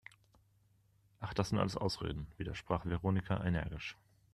Ach, das sind alles Ausreden!, widersprach Veronika energisch.